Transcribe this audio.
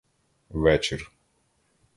Вечір.